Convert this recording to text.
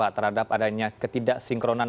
terhadap adanya ketidaksinkronan